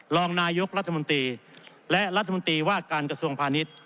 รองนายกรัฐมนตรีและรัฐมนตรีว่าการกระทรวงพาณิชย์